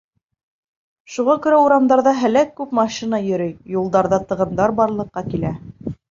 Шуға күрә урамдарҙа һәләк күп машина йөрөй, юлдарҙа тығындар барлыҡҡа килә.